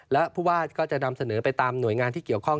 และผู้ว่าก็จะนำเสนอไปตามหน่วยงานที่เกี่ยวข้อง